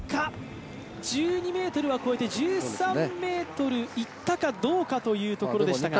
１２ｍは越えて１３ｍいったかどうかというところでしたが。